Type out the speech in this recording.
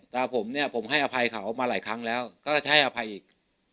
แต่ผมเนี่ยผมให้อภัยเขามาหลายครั้งแล้วก็จะให้อภัยอีก